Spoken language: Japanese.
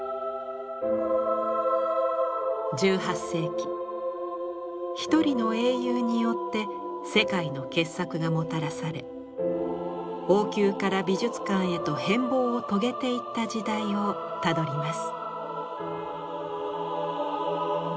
１８世紀一人の英雄によって世界の傑作がもたらされ王宮から美術館へと変貌を遂げていった時代をたどります。